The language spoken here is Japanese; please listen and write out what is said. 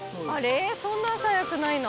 そんな朝早くないな。